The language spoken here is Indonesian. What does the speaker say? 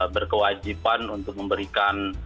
berkewajiban untuk memberikan